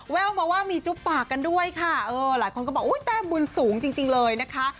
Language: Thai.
แววมาว่ามีจุ๊บปากกันด้วยค่ะเออหลายคนก็บอกอุ้ยแต้มบุญสูงจริงเลยนะคะ